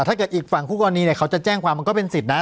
ถ้าเกิดอีกฝั่งคู่กรณีเนี่ยเขาจะแจ้งความมันก็เป็นสิทธิ์นะ